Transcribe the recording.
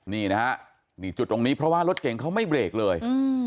นี่นะฮะนี่จุดตรงนี้เพราะว่ารถเก่งเขาไม่เบรกเลย